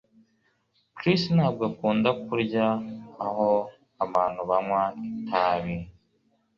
Chris ntabwo akunda kurya aho abantu banywa itabi